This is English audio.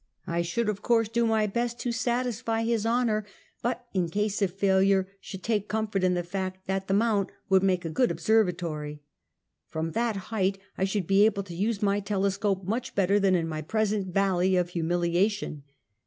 I should of course do my best to satisfy his honor, but in case of failure, should take comfort in the fact that the Mount would make a good observatory. From that height I should be able to use my telescope much better than in my present val ley of humiliation.